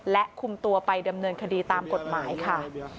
และคุมตัวไปดำเนินคดีตามกฎหมายค่ะ